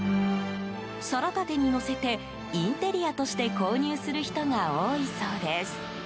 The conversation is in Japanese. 皿立てに載せてインテリアとして購入する人が多いそうです。